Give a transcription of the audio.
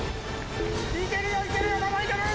いけるよいけるよまだいける！